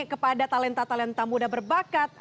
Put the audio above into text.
kepada talenta talenta muda berbakat